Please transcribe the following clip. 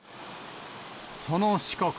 その四国。